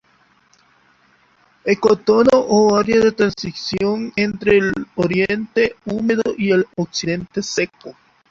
Ecotono o área de transición entre el oriente húmedo y el occidente seco.